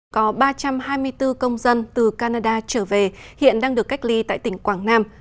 có ba trăm hai mươi bốn công dân từ canada trở về hiện đang được cách ly tại tỉnh quảng nam